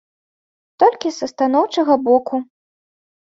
Толькі са станоўчага боку.